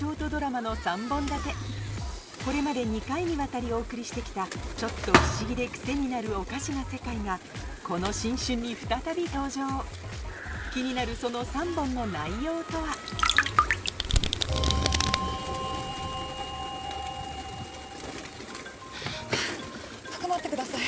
これまで２回にわたりお送りして来たちょっと不思議でクセになるおかしな世界がこの新春に再び登場気になるハァ匿ってください